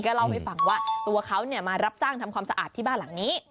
เล่าให้ฟังว่าตัวเขามารับจ้างทำความสะอาดที่บ้านหลังนี้